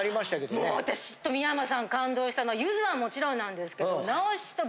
もう私と三山さん感動したのがゆずはもちろんなんですけど。